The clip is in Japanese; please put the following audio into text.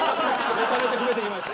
めちゃめちゃ褒めてきました。